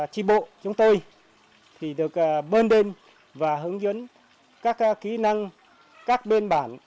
tri bộ chúng tôi thì được bơn đêm và hướng dẫn các kỹ năng các bên bản